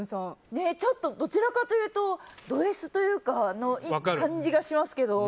ちょっとどちらかというとドＳみたいな感じがしますけど。